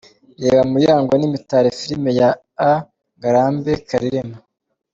Reba Muyango n’Imitali filimi ya A Ngarambe Karirima:.